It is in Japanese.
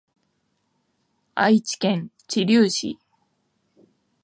愛知県知立市